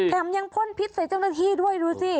ยังพ่นพิษใส่เจ้าหน้าที่ด้วยดูสิ